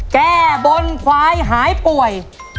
แก้บนควายหายป่วย